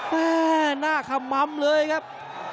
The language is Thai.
แม่หน้าขามมัมเลยครับ